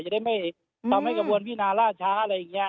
จะได้ไม่ทำให้กระบวนพินาล่าช้าอะไรอย่างนี้